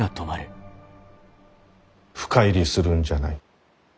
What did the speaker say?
深入りするんじゃない。